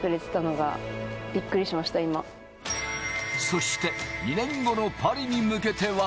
そして、２年後のパリに向けては。